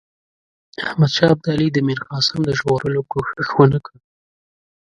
احمدشاه ابدالي د میرقاسم د ژغورلو کوښښ ونه کړ.